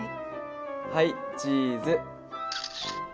はいチーズ。